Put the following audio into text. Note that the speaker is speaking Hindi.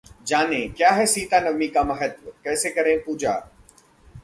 जानें, क्या है सीता नवमी का महत्व, कैसे करें पूजा?